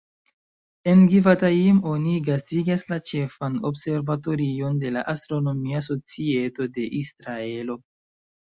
En Givatajim oni gastigas la ĉefan observatorion de la Astronomia Societo de Israelo.